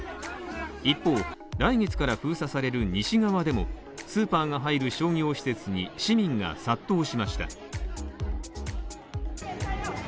一方、来月から封鎖される西側でもスーパーが入る商業施設に市民が殺到しました。